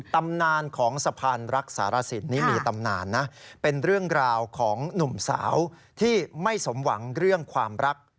ตำนานของสะพานรักษารสินนี่มีตำนานนะเป็นเรื่องราวของหนุ่มสาวที่ไม่สมหวังเรื่องความรัก